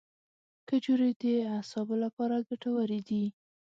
کجورې د اعصابو لپاره ګټورې دي.